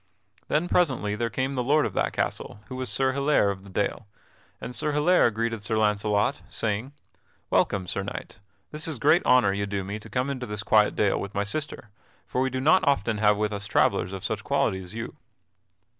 Then presently there came the lord of that castle, who was Sir Hilaire of the Dale. And Sir Hilaire greeted Sir Launcelot, saying: "Welcome, Sir Knight. This is great honor you do me to come into this quiet dale with my sister, for we do not often have with us travellers of such quality as you."